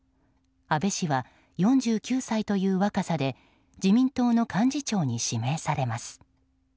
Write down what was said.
安倍氏は４９歳という若さで自民党の幹事長に指名されます。